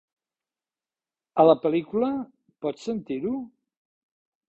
A la pel·lícula, pots sentir-ho?